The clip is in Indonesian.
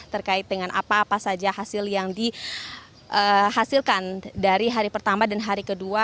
terkait dengan apa apa saja hasil yang dihasilkan dari hari pertama dan hari kedua